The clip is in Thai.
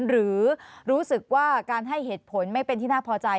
หรือรู้สึกว่าการให้เหตุผลไม่เป็นที่น่าพอใจ